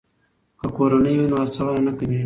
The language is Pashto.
که کورنۍ وي نو هڅونه نه کمیږي.